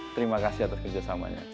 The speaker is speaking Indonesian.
terima kasih atas kerjasamanya